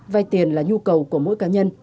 vay tiền là nhu cầu của mỗi cá nhân